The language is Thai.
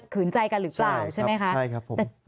ขืนใจกันหรือเปล่าใช่ไหมครับ